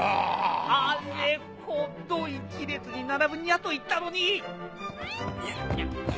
あ・れ・ほ・ど１列に並ぶにゃと言ったのに！